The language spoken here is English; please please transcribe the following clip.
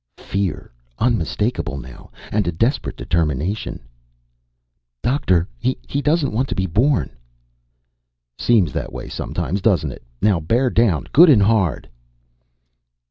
Fear. Unmistakable now. And a desperate determination "Doctor, he doesn't want to be born!" "Seems that way sometimes, doesn't it? Now bear down good and hard."